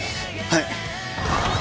はい。